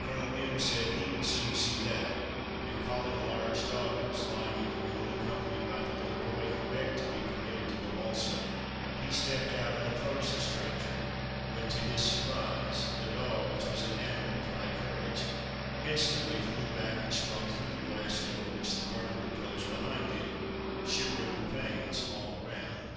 Colonel M—— said "he would soon see that," and calling a large dog that was lying in the room, and accompanied by the little boy, who begged to be permitted to go also, he stepped out and approached the stranger; when, to his surprise, the dog, which was an animal of high courage, instantly flew back, and sprung through the glass door, which the colonel had closed behind him, shivering the panes all around.